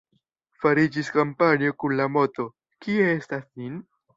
Fariĝis kampanjo kun la moto: «Kie estas Nin?».